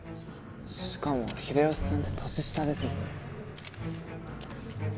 しかも秀吉さんって年下ですもんね。